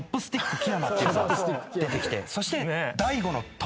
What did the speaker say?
出てきてそして。